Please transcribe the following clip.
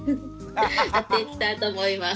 やっていきたいと思います。